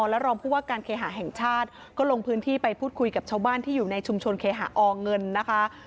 และรองผู้ว่าการเคหาแห่งชาติก็ลงพื้นที่ไปพูดคุยกับชาวบ้านที่อยู่ในชุมชนเคหาอเงินนะคะ